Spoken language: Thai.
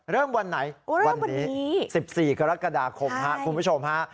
เริ่มวันไหนวันนี้๑๔กรกฎาคมคุณผู้ชมฮะ